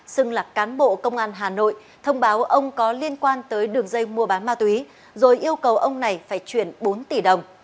xưng là cán bộ công an hà nội thông báo ông có liên quan tới đường dây mua bán ma túy rồi yêu cầu ông này phải chuyển bốn tỷ đồng